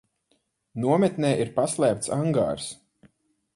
Nometnē ir paslēpts angārs.